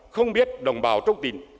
không biết đồng bào trong tình